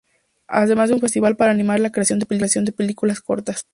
Además de un festival para animar a la creación de películas cortas.